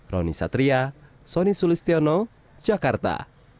roni satria soni sulistiono jakarta